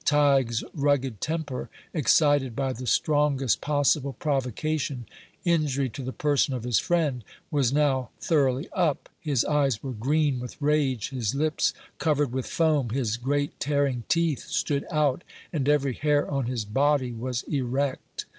Tige's rugged temper, excited by the strongest possible provocation, injury to the person of his friend, was now thoroughly up; his eyes were green with rage, his lips covered with foam; his great tearing teeth stood out, and every hair on his body was erect.